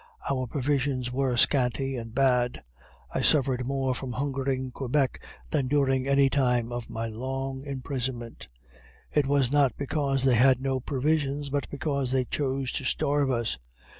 Our provisions were scanty and bad; I suffered more from hunger in Quebec than during any time of my long imprisonment. It was not because they had no provisions, but because they chose to starve us.